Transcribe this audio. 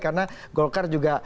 karena golkar juga